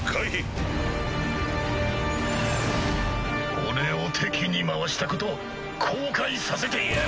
俺を敵に回したこと後悔させてやる！